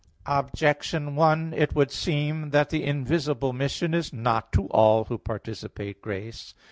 Objection 1: It would seem that the invisible mission is not to all who participate grace.